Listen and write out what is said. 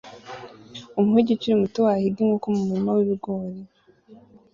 Umuhigi ukiri muto wahiga inkoko mu murima w'ibigori